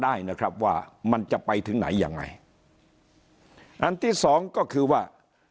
ได้นะครับว่ามันจะไปถึงไหนยังไงอันที่สองก็คือว่า